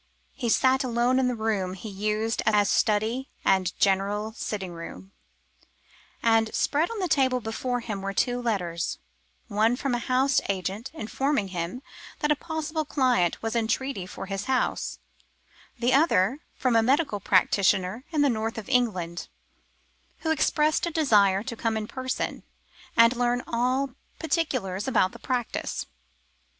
He sat alone in the room he used as study and general sitting room, and, spread on the table before him were two letters, one from a house agent informing him that a possible client was in treaty for his house; the other from a medical practitioner in the north of England, who expressed a desire to come in person, and learn all particulars about the practice.